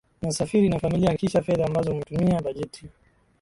unasafiri na familia Hakikisha fedha ambazo umetumia bajeti